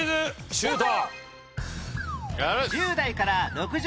シュート！